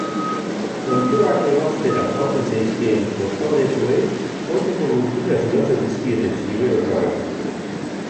Onddoak ebastera joaten zaizkien kostaldekoei autoko gurpilak zulatzen dizkiete xiberotarrek.